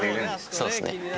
そうですね。